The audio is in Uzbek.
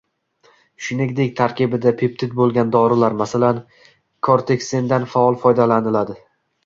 Shuningdek tarkibida peptid bo‘lgan dorilar, masalan, korteksindan faol foydalaniladi.